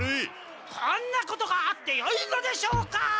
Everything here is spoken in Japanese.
こんなことがあってよいのでしょうか！